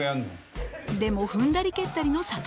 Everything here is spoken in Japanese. でも踏んだり蹴ったりの諭。